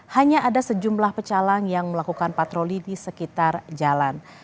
hanya ada sejumlah pecalang yang melakukan patroli di sekitar jalan